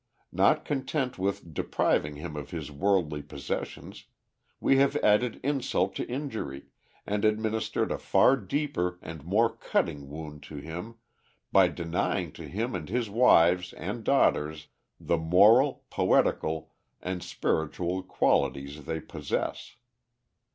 Not content with depriving him of his worldly possessions, we have added insult to injury, and administered a far deeper and more cutting wound to him by denying to him and his wives and daughters the moral, poetical, and spiritual qualities they possess.